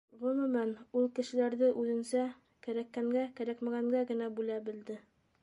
Ғөмүмән, ул кешеләрҙе үҙенсә кәрәккәнгә-кәрәкмәгәнгә генә бүлә белде.